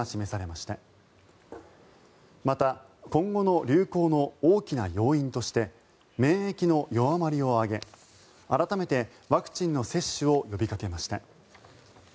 また、今後の流行の大きな要因として免疫の弱まりを挙げ改めてワクチンの接種を呼びかけました。